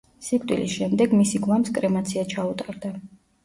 სიკვდილის შემდეგ მისი გვამს კრემაცია ჩაუტარდა.